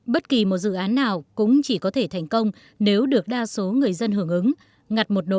bất kỳ một dự án nào cũng chỉ có thể thành công nếu được đa số người dân hưởng ứng